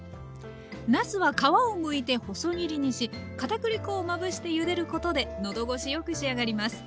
なすは皮をむいて細切りにしかたくり粉をまぶしてゆでることでのどごしよく仕上がります。